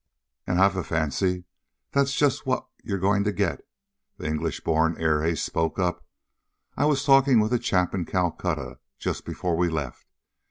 "And I've a fancy that's just what you're going to get!" the English born air ace spoke up. "I was talking with a chap in Calcutta, just before we left.